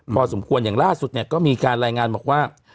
พอสมควรอย่างล่าสุดเนี่ยก็มีการรายงานบอกว่า